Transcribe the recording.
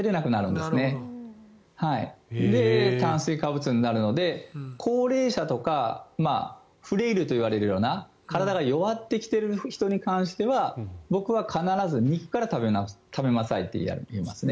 で、炭水化物になるので高齢者とかフレイルといわれるような体が弱ってきている人に関しては僕は必ず肉から食べなさいと言いますね。